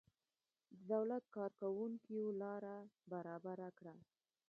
د دولت کارکوونکیو لاره برابره کړه.